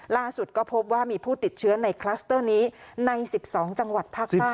ล่าสุดก็พบว่ามีผู้ติดเชื้อในคลัสเตอร์นี้ใน๑๒จังหวัดภาคใต้